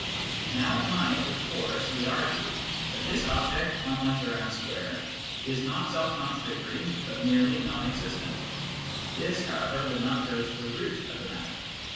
""Now it might, of course, be argued that this object, unlike the round square, is not self contradictory, but merely non existent. This, however, would not go to the root of the matter.